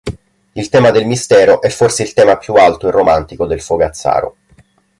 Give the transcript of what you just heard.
Il tema del mistero è forse il tema più alto e romantico del Fogazzaro.